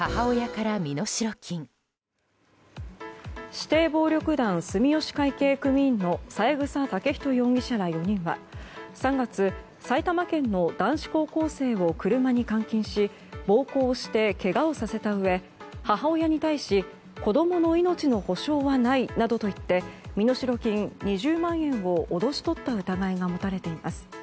指定暴力団住吉会系組員の三枝丈人容疑者ら４人は３月、埼玉県の男子高校生を車に監禁し暴行してけがをさせたうえ母親に対し、子供の命の保証はないなどと言って身代金２０万円を脅し取った疑いが持たれています。